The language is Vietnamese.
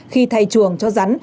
khi thay chuồng cho rắn